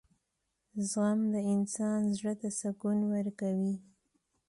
• زغم د انسان زړۀ ته سکون ورکوي.